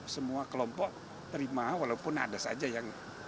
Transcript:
semua kelompok terima walaupun ada saja yang